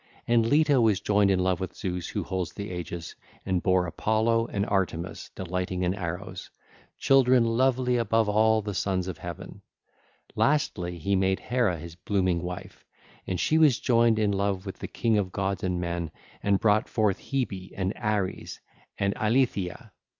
918 920) And Leto was joined in love with Zeus who holds the aegis, and bare Apollo and Artemis delighting in arrows, children lovely above all the sons of Heaven. (ll. 921 923) Lastly, he made Hera his blooming wife: and she was joined in love with the king of gods and men, and brought forth Hebe and Ares and Eileithyia. (ll.